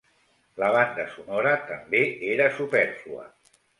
La banda sonora també era supèrflua.